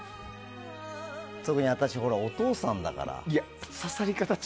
特に私、お父さんだから。